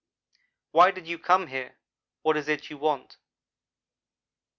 Why did you come here? What is it you want?'